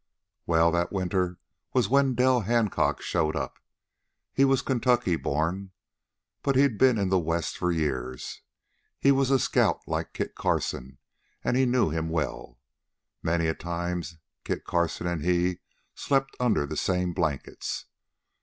"Well, that winter was when Del Hancock showed up. He was Kentucky born, but he'd been in the West for years. He was a scout, like Kit Carson, and he knew him well. Many's a time Kit Carson and he slept under the same blankets.